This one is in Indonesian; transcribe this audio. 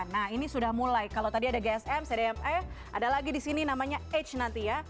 nah ini sudah mulai kalau tadi ada gsm cdma ada lagi di sini namanya h nanti ya